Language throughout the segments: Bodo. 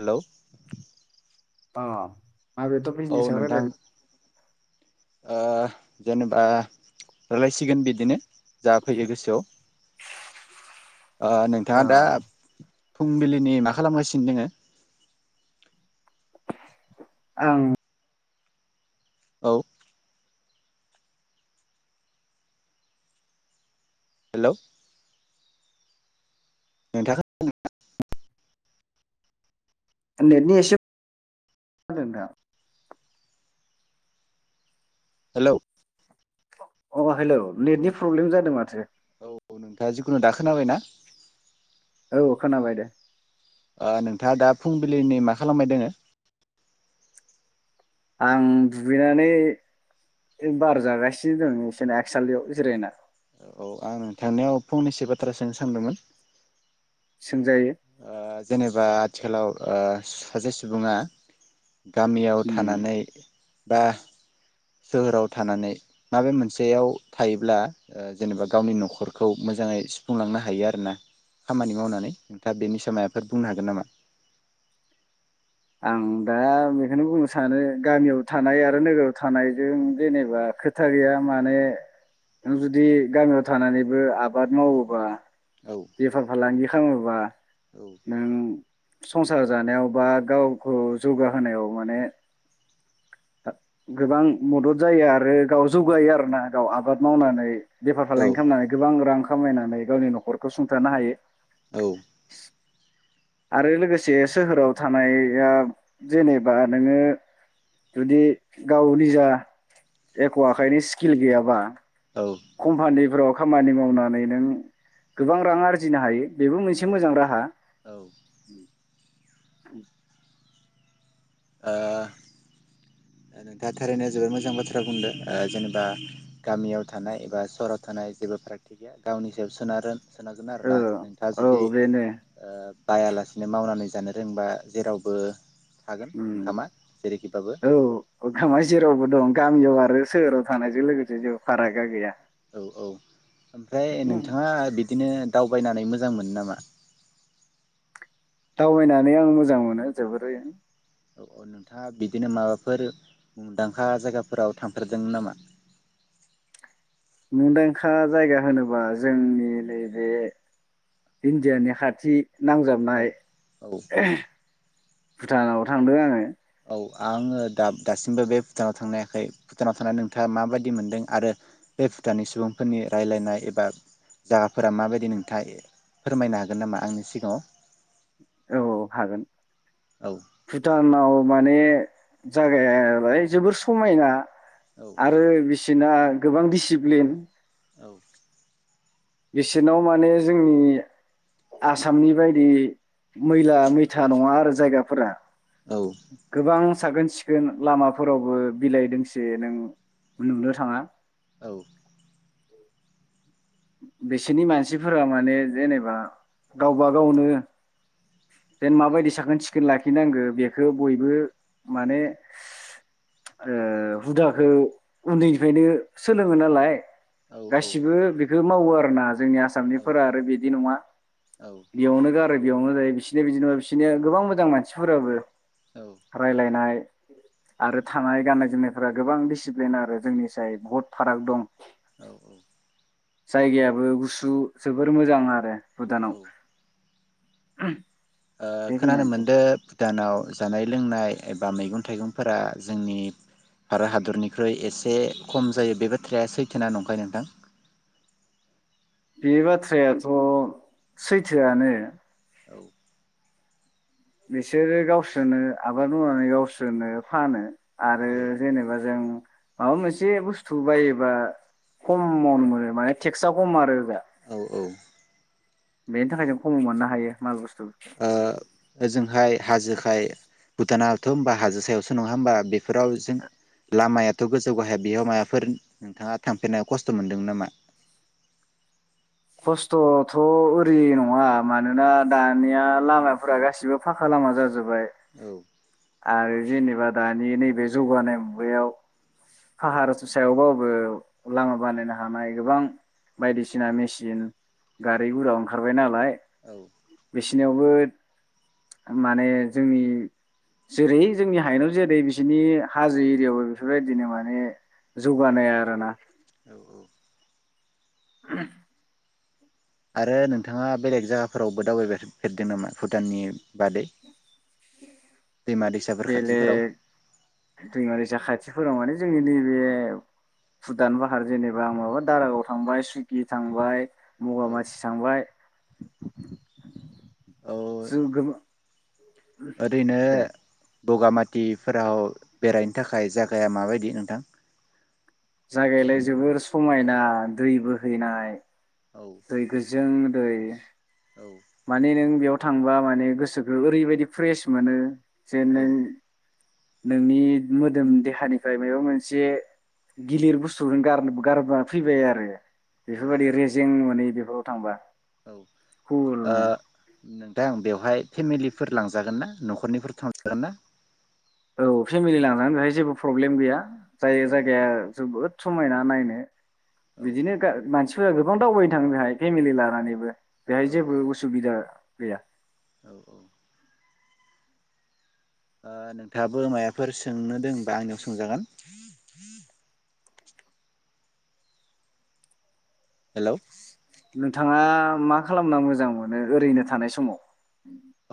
हेलौ अ माबेथ' औ बिजनेसआव नोंथां रायलायनो? ओ जेनेबा रायलायसिगोन बिदिनो जा फैयो गोसोआव ओ औ नोंथाङा दा फुंबिलिनि मा खालामगासिनो दोङो? आं औ हेलौ नोंथां खोनादों ना? नेटनि एसेब जादों ना? हेलौ अ हेलौ नेटनि प्रब्लेम जादों माथो औ नोंथाङा जिखुनु दा खोनाबायना? औ खोनाबाय दे। ओ नोंथाङा दा फुंबिलिनि मा खालामबाय दोङो? आं दुगैनानै बार जागासिनो दङो सोना आकसालियाव जिरायना। औ आं नोंथांनियाव फंनैसो बाथ्रा सोंनो सानदोंमोन? सोंजायो। ओ जेनेबा आथिखालाव ओ सासे सुबुङा गामियाव उम थानानै बा सोहोराव थानानै माबे मोनसेयाव थायोब्ला ओ जेनेबा गावनि न'खरखौ मोजाङै सुफुंलांनो हायो आरोना खामानि मावनानै नोंथा बेनि सायाव मायाब [unintelligible] बुंनो हागोन नामा? आं दा बेखौनो बुंनो सानो गामियाव थानाय आरो नोगोराव थानायजों जेनेबा खोथा गैया माने नों जुदि गामियाव थानानैबो आबाद मावोबा औ बेफार फालांगि खालामोबा औ नों संसार जानायाव बा गावखौ जौगाहोनायाव माने गोबां मदद जायो आरो गाव जौगायो आरोना गाव आबाद मावनानै बेफार औ फालांगि खालामनानै गोबां रां खामायनानै गावनि न'खर खौ सुंथानो हायो औ आरो लोगोसे सोहोराव थानाया जेनेबा नोङो जुदि गाव निजा एख' आखाइनि स्किल गैयाबा औ कम्फानि फोराव खामानि मावनानै नों गोबां रां आरजिनो हायो बेबो मोनसे औ मोजां राहा। औ ओ नोंथाङा थारैनो जोबोद मोजां बाथ्रा बुंदों जेनेबा गामियाव थानाय एबा सहराव थानाय जेबो फारागथि गैया गावनि सायाव सोनारो। सानांगोन ओ आरोना नोंथाङा औ जुदि बेनो ओ बायालासेनो मावनानै जानो रोंबा जेरावबो थागोन ओंखामा जेरैखिबाबो अखोमा जेरावबो दं गामियाव आरो सोहोर राव थानायजों लोगोसे जेबो फारागा गैया। औ औ ओमफ्राय उम नोंथाङा बिदिनो दावबायनानै मोजां मोनो नामा? दावबायनानै आं मोजां मोनो जोबोरैनो। नोंथाङा बिदिनो माबाफोर मुंदांखा जायगाफोराव थांफेरदोंमोन नामा? मुंदांखा जायगा होनोबा जोंनि नैबे इण्डियानि खाथि औ नांजाबनाय औ [unintelligible] भुटानाव थांदों आङो। औ आङो दा दासिमबो बे भुटानाव थांनोहायाखै। भुटानाव थांनानै नोंथाङा माबायदि मोनदों आरो बे भुटाननि सुबुंफोरनि रायलायनाय एबा जागाफोरा माबायदि नोंथाङा फोरमायनो हागोन नामा आंनि सिगाङाव? औ औ हागोन औ भुटानाव माने जागायालाय जोबोर समायना। औ आरो बि सिना गोबां दिडिसिप्लिन। औ बिसोरनाव माने जोंनि आसामनि बायदि मैला मैथा नङा आरो जायगाफोरा। औ गोबां साखोन सिखोन लामाफोरावबो बिलाइ दोंसे नों नुनो थाङा। औ बिसोरनि मानसिफोरा माने जेनेबा गावबा गावनो जेन माबायदि साखोन सिखोन लाखिनांगौ बेखौ बयबो माने ओ हुदखौ उन्दैनिफ्रायनो सोलोङो नालाय। औ गासिबो ज' मावो आरोना जोंनि आसामनिफोरा आरो बिदि नङा बेयावनो गारो बियावनो जायो बिसोरनो बिदिबा बिसिनिया गोबां मोजां मानसिफोराबो। रायलायनाय आरो थानाय गाननाय जोमनायफोरा गोबां डिसिप्लिन आरो जोंनि साय बहुत फाराग दं। औ औ जायगायाबो गुसु जोबोर मोजां आरो औ भुतानावहाय। [unintelligible] ओ खोनानो मोनदों भुटानाव जानाय लोंनाय एबा मैगं थाइगंफोरा जोंनि भारत हादरनिख्रुइ एसे खम जायो बे बाथ्राया सैथोना नंखाय नोंथां? बे बाथ्रायाथ' सैथोआनो। औ। [inaudible] बिसोरो गावसोरो आबाद मावनानै गावसोरो फानो। आरो औ जेनेबा जों माबा मोनसे बुस्थु बायोबा खमावनो मोनो माने टेक्स खम आरो ओजा औ। बेनि थाखाय जों खमाव मोननो हायो माल बुस्थुखौ ओ ओजोंहाय हाजो म भुटानावथ' होनबा हाजो सायावसो नङा होमबा बे फोराव जों लामाया थ' गोजौ गाहाया बेयाव माबाफोर नोंथाङा थांफेरनायाव खस्थ' मोनदोंमोन नामा? खस्थ'थ' ओरै नङा मानोना दानिया लामाफोरा गासिबो फाखा लामा जाजोब बाय औ आरो जेनेबा दानि नैबे जौगानाय मुगायाव फाहार सायाव बाबो लामा बानायनो हानाय गोबां बायदिसिना मेसिन सिन गारि गुरा ओंखारबाय नालाय औ। [inaudible] बिसिनियावबो माने जोंनि जेरै जोंनि हायननाव जेरै बिसिनि हाजो एरियायावबो बेफोरबायदिनो माने जौगानाय आरो ना? औ औ [unintelligible] आरो नोंथाङा बेलेग जायगाफोरावबो दावबायफेरदों नामा भुटाननि बादै? दैमा दैसाफोर खाथिफोराव? बेलेक दैमा - दैसा खाथियाव फोराव माने जोंनि नैबे भुटान भाहार जेनेबा माबा दारागाव थांबाय सुइगि थांबाय औ मगामासि थांबाय औ जोगोम ओरैनो बगामाथिफोराव बेरायनो थाखाय जायागाया माबायदि नोंथां? जागायलाय जोबोर समायना दै बोहैनाय औ दैगोजों दैै औ मानि नों बेयाव थांबा माने गोसोखौ ओरैबायदि फ्रेस मोनो जे औ नों नोंनि मोदोम देहानिफ्राय माबा मोनसे गिलिर बुस्थु गार- गारना फैबाय आरो औ बेफोरबायदि रेजें मोनो बेफोराव थांबा। औ खबर ओ नोंथां बेवहाय फेमिलिफोर लांजागोन ना न'खरनिफोर थांजागोन ना? औ फेमिलि लांजागोन बेहाय जेबो प्रब्लेम गैया। जाय औ जायगाया जोबोद समायना नायनो औ बिदिनो गा मानसि फोरा गोबां दावबायनो थाङो बेहाय फेमिलि लानानैबो बेहाय औ जेबो उसुबिदा गैया। औ औ। ओ नोंथाङाबो माया फोर सोंनो दंबा आंनियाव सोंजागोन। [inaudible] हेल' नोंथाङा मा खालामना मोजां मोनो ओरैनो थानाय समाव?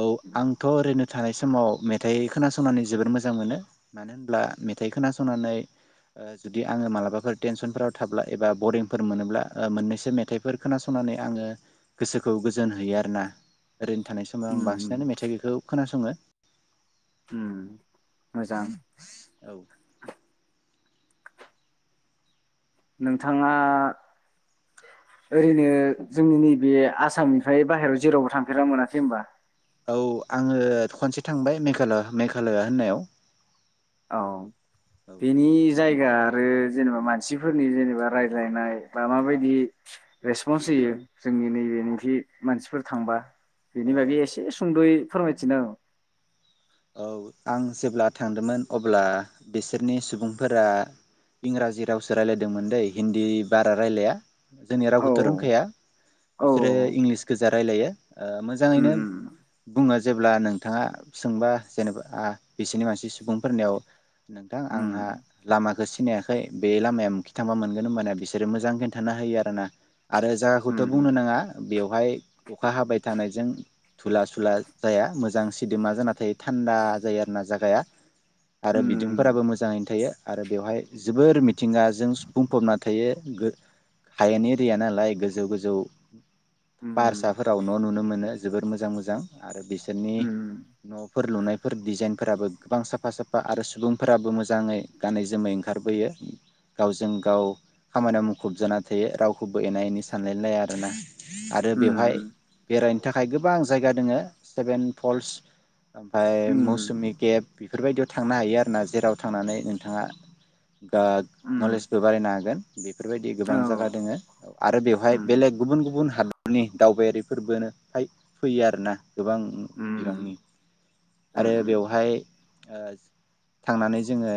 औ आंथ' ओरैनो थानाय समाव मेथाइ खोनासंनानै जोबोर मोजां मोनो मानो होनब्ला मेथाइ खोनासंनानै ओ जुदि आङो मालाबाफोर टेनसनफोराव थाब्ला एबा बरिंफोर मोनोब्ला मोननैसो मेथाइफोर खोनासंनानै आङो गोसोखौ गोजोन होयो आरोना ओरैनो थाना आं उम उम बांसिनानो मेथाइखौ खोनासङो। ओम मोजां औ नोंथाङा ओरैनो जोंनि नैबे आसामनिफ्राय बाहेरायाव जेरावबो थांफेरना मोनाखै होनबा? औ आङो खनसे थांबाय मेघाल मेघालया होननायाव। औ बेनि जाय गा आरो जेनेबा मानसिफोरनि जेनेबा रायज्लायनाय फ्रा माबायदि रेसपन्स होयो जोंनि नैबेनि मानसिफोर थांबा? औ अ बेनि बागै एसे सुंद'यै फोरमायथिना हो औ आं जेब्ला थांदोंमोन अब्ला बिसोरनि सुबुंफोरा इंराजि रावसो रायलायदोंमोन दै हिन्दी बारा रायलाया। जोंनि औ रावखौथ' रोंखाया औ बिसोरो इंलिस गोजा रायलायो ओ मोजाङैनो उम बुङो जेब्ला नोंथाङा सोंबा जेनेबा बिसोरनि मानसि सुबुंफोरनियाव नोंथां आंहा उम लामाखौ सि सिनायाखै बे लामाया माखै थांबा मोनगोन होनबाना बिसोरो मोजां खिन्थाना होयो आरोना आरो जायगाखौथ' बुंनो उम नाङा बेवहाय अखा हाबाय थानायजों थुला सुला जाया मोजां सिदोमा जानाथायो थान्दा जायो आरो ना जागाया आरो उम बिदुंफोराबो मोजाङैनो थायो आरो बेवहाय जोबोर मिथिंगाजों बुंफबना थायो हायेन एरिया नालाय गोजौ गोजौ उम फाहारसाफोराव न' नुनो मोनो जोबोर मोजां मोजां आरो बिसोरनि उम न' फोर लुनायफोर डिजाइनफोराबो गोबां साफा साफा आरो सुबुंफोराबो मोजाङै गानै जोमै ओंखारबोयो गावजों गाव खामानियाव मुखुब जाना थायो रावखौबो एना एनि सानलायलाया आरोना आरो बेवहाय उम बेरायनो थाखाय गोबां जायगा दोङो सेभेन फल्स उम ओमफ्राय मौसुमि गेब बेफोरबायदियाव थांनो हायो आरोना जेराव थांनानै नोंथाङा गोग उम नलेजबो बारायनो हागोन बेफोरबायदि औ गोबां जागा दोङो आरो बेवहाय उम बेलेग गुबुन गुबुन हादरनि दावबायारिफोरबोनो हाय फैयो आरोना। गोबां उम उम बिबांनि। उम आरो उम बेवहाय ओ थांनानै जोङो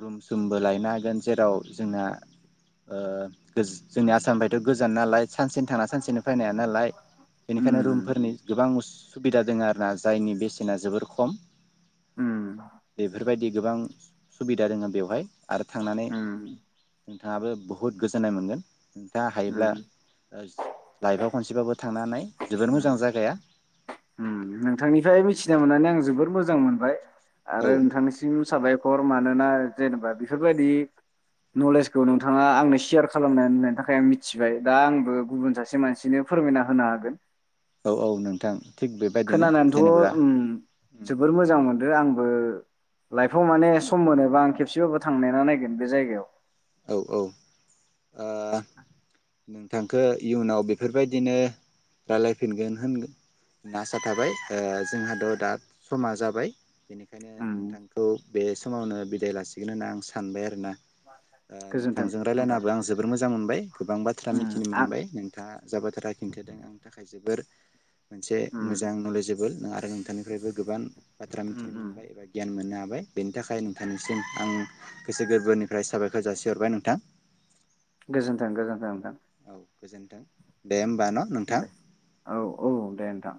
रुम सुमबो लायनो हागोन जेराव जोंना ओ [unintelligible] जोंनि आसामफायथ' गोजान नालाय सानसेनो थांना सानसेनो फायनो नालाय बेनिखायनो उम रुमफोरनि गोबां उस सुबिदा दोङ आरोना जायनि बे ना जोबोर खम। उम बेफोरबायदि गोबां सुबिदा दोङ बेवहाय। आरो थांनानै उम नोंथाङाबो बुहुत गोजोननाय मोनगोन। नोंथाङा हायोब्ला उम ओ लाइफआव खनसेबाबो थांना नाय जोबोर उम मोजां जागाया। उम नोंथांनिफ्राय मिथिना मोननानै आं जोबोद मोजां मोनबाय। औ आरो नोंथांनिसिम साबायख'र मानोना जेनेबा बेफोरबायदि नलेजखौ नोंथाङा आंनो सेयार खालामना होननायनि थाखाय आं मिथिबाय दा आंबो गुबुन सासे मानसिनो फोरमायना होनो हागोन। औ औ नोंथां। थिग बेबायदिनो खोनानानथ' जेनेबा ओम जोबोर मोजां मोन दो आंबो लाइफआव माने सम मोनोबा आं खेबसेबाबो थांनायना नायगोन बे जायगायाव। औ औ आ नोंथांखौ इयुनाव बेफोरबायदिनो रायलायफिनगोन होनगो ना आसा थाबाय ओ जोंहाद' दा समा जाबाय बेनि खायनो उम नोंथांखौ बे समावनो बिदाय लासि [unintelligible] आं सानबाय आरो ना। ओ गोजोन्थों नोंथांजों नोंथां रायलायनाबो आं जोबोर मोजां मोनबाय। गोबां बाथ्रा उम मिथिनो आं मोनबाय नोंथाङा जा बाथ्रा खिन्थादों आंनि थाखाय जोबोर मोनसे मोजां उम नलेजेबोल नों आरो नोंथांनिफ्रायबो गोबां बाथ्रा उम मिथिनो उम मोनबाय एबा गियान मोननो हाबाय। बेनि थाखाय नोंथांनिसिम आं गोसो गोरबोनिफ्राय साबायखर जासिहरबाय नोंथां। गोजोन्थों गोजोन्थों नोंथां। गोजोनथों दे होम दे औ औ दे नोंथां।